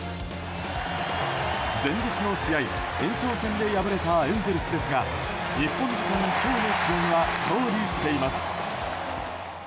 前日の試合、延長戦で敗れたエンゼルスですが日本時間、今日の試合は勝利しています。